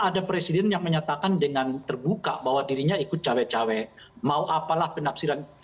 ada presiden yang menyatakan dengan terbuka bahwa dirinya ikut cawe cawe mau apalah penafsiran